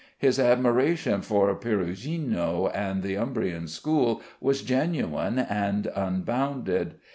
His admiration for Perugino and the Umbrian school was genuine and unbounded.